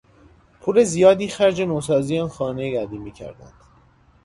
پول زیادی خرج نوسازی آن خانهی قدیمی کردند.